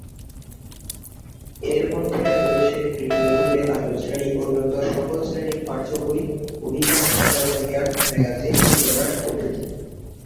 এর মধ্যে রয়েছে তৃতীয় থেকে দ্বাদশ শ্রেণী পর্যন্ত সকল শ্রেণীর পাঠ্যবই, অভিধান, সাধারণ জ্ঞান, ম্যাগাজিন, উপন্যাস প্রভৃতি।